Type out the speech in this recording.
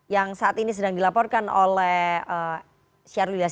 yang saat ini sedang dilaporkan oleh sherly lillard